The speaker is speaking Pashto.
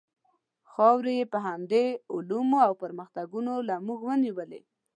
خاورې یې په همدې علومو او پرمختګونو له موږ ونیوې.